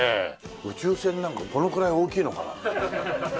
宇宙船なんかこのくらい大きいのかな？